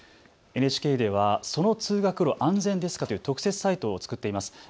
ＮＨＫではその通学路安全ですかという特設サイトを作っています。